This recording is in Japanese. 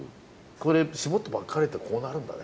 これしぼったばっかりってこうなるんだね。